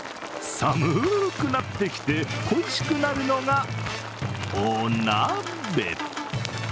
寒くなってきて恋しくなるのが、お鍋。